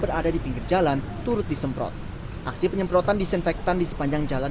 berada di pinggir jalan turut disemprot aksi penyemprotan disinfektan di sepanjang jalan